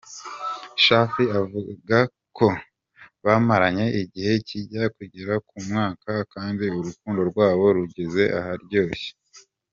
Shafi avuga ko bamaranye igihe kijya kugera ku mwaka kandi urukundo rwabo rugeze aharyoshye.